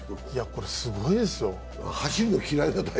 これすごいですよ。